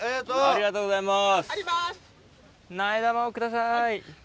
ありがとうございます。